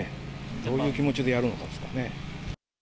どういう気持ちでやるんですかね。